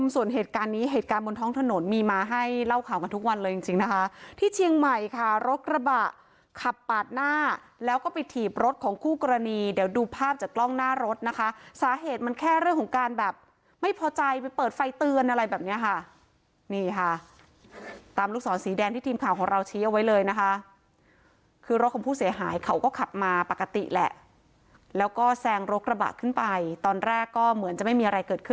ส่วนเหตุการณ์นี้เหตุการณ์บนท้องถนนมีมาให้เล่าข่าวมาทุกวันเลยจริงจริงนะคะที่เชียงใหม่ค่ะรถกระบะขับปากหน้าแล้วก็ไปถีบรถของคู่กรณีเดี๋ยวดูภาพจากกล้องหน้ารถนะคะสาเหตุมันแค่เรื่องของการแบบไม่พอใจไปเปิดไฟเตือนอะไรแบบเนี้ยค่ะนี่ค่ะตามลูกศรสีแดงที่ทีมข่าวของเราชี้เอาไว้เลยนะคะคือรถของผู้เสี